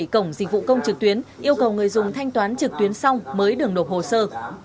một mươi bảy cổng dịch vụ công trực tuyến yêu cầu người dùng thanh toán trực tuyến xong mới đường nộp hồ sơ